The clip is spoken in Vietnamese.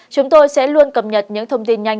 chúng tôi sẽ luôn cập nhật những thông tin nhanh